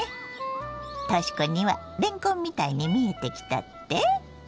としこにはれんこんみたいに見えてきたって？